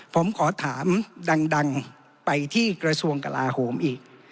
ผมขอถามดังไปที่กระทรวงกลาโหมอีก